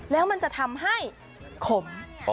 แล้วมันจะทำให้ขม